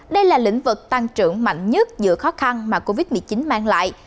đây là lĩnh vực tăng trưởng mạnh nhất giữa khó khăn mà covid một mươi chín mang lại